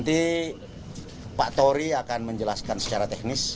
nanti pak tori akan menjelaskan secara teknis